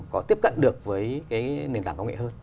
có tiếp cận được với cái nền tảng công nghệ hơn